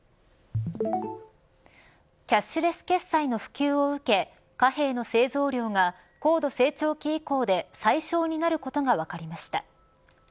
キャッシュレス決済の普及を受け貨幣の製造量が高度成長期以降で最少になることが分かりました。